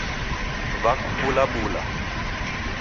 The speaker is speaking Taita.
Wakupula bula